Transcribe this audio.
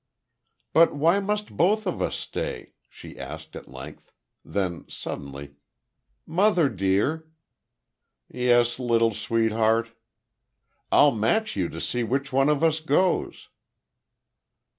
"But why must both of us stay?" she asked, at length. Then, suddenly: "Mother, dear!" "Yes little sweetheart?" "I'll match you to see which one of us goes!"